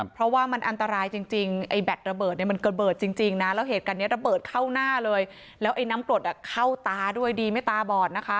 เพราะว่ามันอันตรายจริงไอ้แบตระเบิดเนี่ยมันระเบิดจริงนะแล้วเหตุการณ์นี้ระเบิดเข้าหน้าเลยแล้วไอ้น้ำกรดเข้าตาด้วยดีไม่ตาบอดนะคะ